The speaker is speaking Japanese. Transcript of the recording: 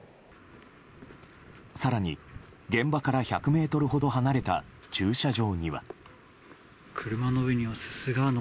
更に、現場から１００ｍほど離れた駐車場には。